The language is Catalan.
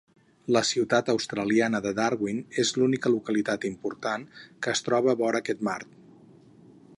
La ciutat australiana de Darwin és l'única localitat important que es troba vora aquest mar.